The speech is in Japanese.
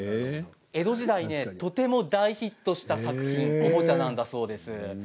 江戸時代にとっても大ヒットしたおもちゃなんだそうです。